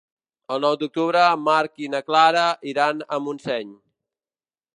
El nou d'octubre en Marc i na Clara iran a Montseny.